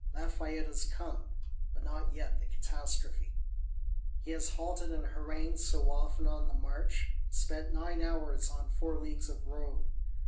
Lafayette is come, but not yet the catastrophe. He has halted and harangued so often, on the march; spent nine hours on four leagues of road.